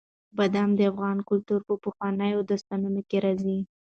بادام د افغان کلتور په پخوانیو داستانونو کې راځي.